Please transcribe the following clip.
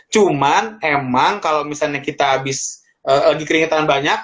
cuman emang kalau misalnya kita habis lagi keringetan banyak